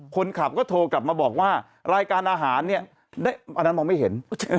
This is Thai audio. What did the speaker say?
คนขับก็โทรกลับมาบอกว่ารายการอาหารเนี่ยอันนั้นมองไม่เห็น